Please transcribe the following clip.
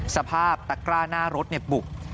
สภาพตะกร้าหน้ารถบุบ